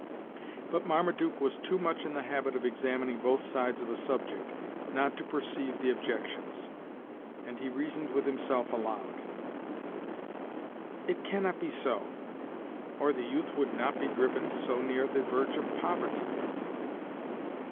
But Marmaduke was too much in the habit of examining both sides of a subject not to perceive the objections, and he reasoned with himself aloud: "It cannot be so, or the youth would not be driven so near the verge of poverty."